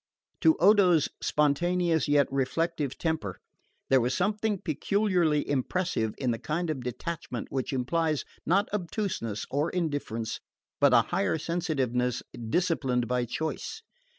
To Odo's spontaneous yet reflective temper there was something peculiarly impressive in the kind of detachment which implies, not obtuseness or indifference, but a higher sensitiveness disciplined by choice.